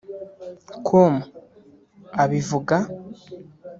com abivuga